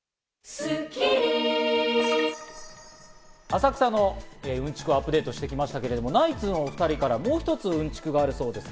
浅草のうんちくをアップデートしてきましたけれども、ナイツのお２人からもう一つ、うんちくがあるそうです。